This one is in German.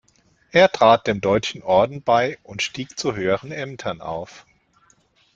Er trat dem Deutschen Orden bei und stieg zu höheren Ämtern auf.